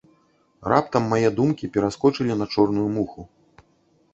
Раптам мае думкі пераскочылі на чорную муху.